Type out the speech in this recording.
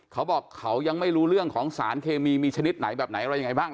เขาบอกเขายังไม่รู้เรื่องของสารเคมีมีชนิดไหนแบบไหนอะไรยังไงบ้าง